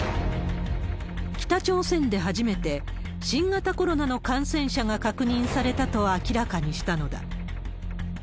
北朝鮮で初めて、新型コロナの感染者が確認されたと明らかにしたのだ。